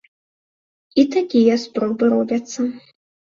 І такія спробы робяцца.